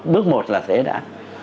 bước một là thế đã